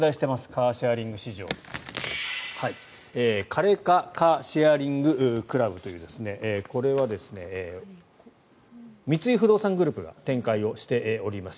カーシェアリング市場カレコ・カーシェアリングクラブというこれは三井不動産グループが展開をしております。